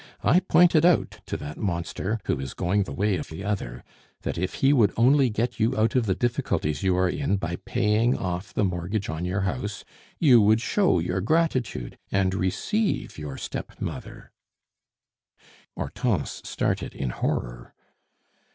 I pointed out to that monster, who is going the way of the other, that if he would only get you out of the difficulties you are in by paying off the mortgage on the house, you would show your gratitude and receive your stepmother " Hortense started in horror.